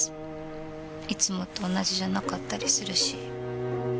いつもと同じじゃなかったりするし。